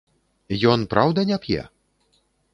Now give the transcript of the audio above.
Ён праўда не п'е?